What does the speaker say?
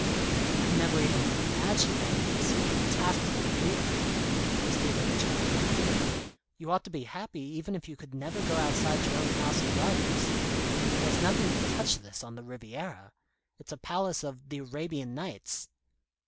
"I never even imagined anything so fantastically beautiful," Stephen returned warmly. "You ought to be happy, even if you could never go outside your own house and gardens. There's nothing to touch this on the Riviera. It's a palace of the 'Arabian Nights.'"